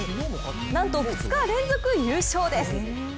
なんと２日連続優勝です。